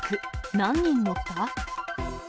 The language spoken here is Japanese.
何人乗った？